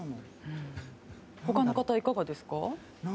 他の方、いかがですか？